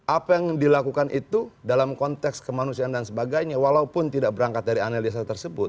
apa yang dilakukan itu dalam konteks kemanusiaan dan sebagainya walaupun tidak berangkat dari analisa tersebut